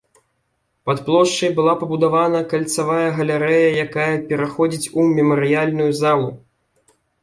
Пад плошчай была пабудавана кальцавая галерэя, якая пераходзіць у мемарыяльную залу.